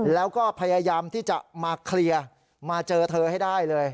แล้วก็พยายามที่จะมาเคลียร์มาเจอเธอให้ได้เลย